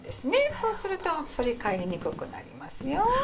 そうすると反り返りにくくなりますよ。